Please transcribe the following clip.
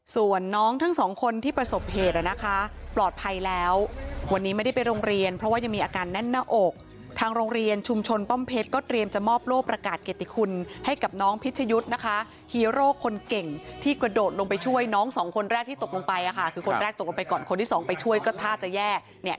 ส่วนน้องทั้งสองคนที่ประสบเหตุนะคะปลอดภัยแล้ววันนี้ไม่ได้ไปโรงเรียนเพราะว่ายังมีอาการแน่นหน้าอกทางโรงเรียนชุมชนป้อมเพชรก็เตรียมจะมอบโลกประกาศเกติคุณให้กับน้องพิชยุทธ์นะคะฮีโร่คนเก่งที่กระโดดลงไปช่วยน้องสองคนแรกที่ตกลงไปค่ะคือคนแรกตกลงไปก่อนคนที่สองไปช่วยก็ท่าจะแย่เนี่ย